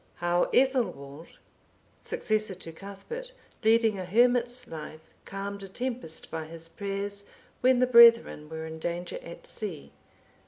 How Ethelwald, successor to Cuthbert, leading a hermit's life, calmed a tempest by his prayers when the brethren were in danger at sea.